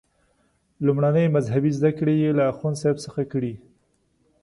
لومړنۍ مذهبي زده کړې یې له اخوندصاحب څخه کړي.